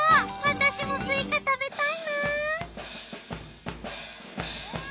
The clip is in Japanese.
私もスイカ食べたいな。